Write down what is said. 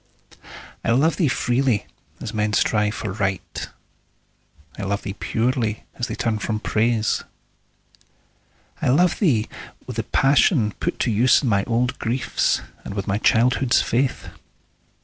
I love thee freely, as men strive for Right; I love thee purely, as they turn from Praise. I love thee with the passion put to use In my old griefs, and with my childhood's faith.